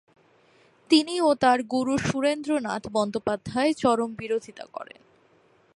তিনি ও তার গুরু সুরেন্দ্রনাথ বন্দ্যোপধ্যায় চরম বিরোধীতা করেন।